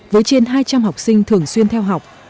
với trên hai trăm linh học sinh thường xuyên theo học